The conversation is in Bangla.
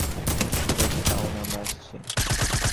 ফোরটাউন, আমরা আসছি!